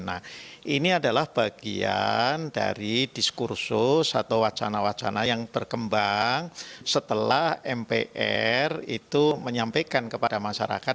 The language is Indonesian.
nah ini adalah bagian dari diskursus atau wacana wacana yang berkembang setelah mpr itu menyampaikan kepada masyarakat